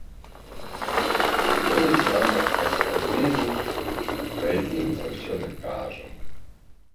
Той самы эскапізм, пра які мы заўсёды кажам.